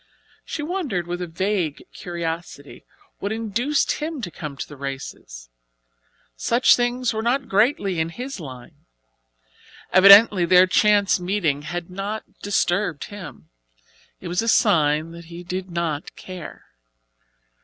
She wondered with a vague curiosity what induced him to come to the races. Such things were not greatly in his line. Evidently their chance meeting had not disturbed him. It was a sign that he did not care.